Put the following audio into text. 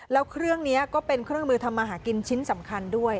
แล้วเครื่องนี้ก็เป็นเครื่องมือทำมาหากินชิ้นสำคัญด้วย